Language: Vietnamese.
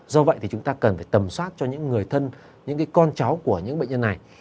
do vậy thì chúng ta cần phải tầm soát cho những người thân những con cháu của những bệnh nhân này